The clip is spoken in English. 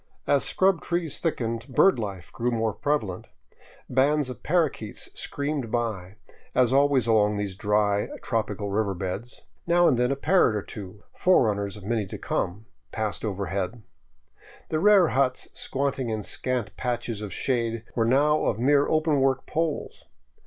As scrub trees thickened, bird life grew more prevalent. Bands of parrakeets screamed by, as always along these dry, tropical river beds; now and then a parrot or two, fore runners of many to come, passed overhead. The rare huts squatting in scant patches of shade were now of mere open work poles.